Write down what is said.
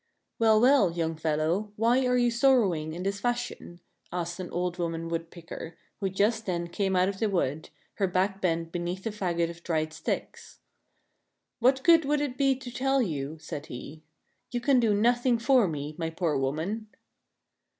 " Well, well, young fellow, why are you sorrowing in this fashion?" asked an old woman wood picker, who just then 63 6 4 THE FAIRY SPINNING WHEEL came out of the wood, her back bent beneath a fagot of dried sticks. "What good would it be to tell you?" said he. "You can do nothing for me, my poor woman."